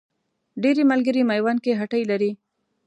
ډېری ملګري میوند کې هټۍ لري.